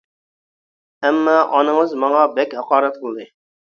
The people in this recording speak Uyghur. ئەمما ئانىڭىز ماڭا بەك ھاقارەت قىلدى.